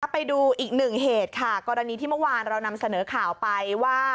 ไปดูอีกหนึ่งเหตุค่ะกรณีที่เมื่อวานเรานำเสนอข่าวไปว่า